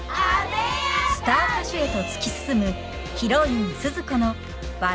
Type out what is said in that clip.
スター歌手へと突き進むヒロインスズ子の笑いと涙の物語。